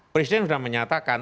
presiden sudah menyatakan